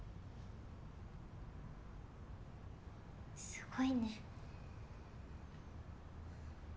すごいね。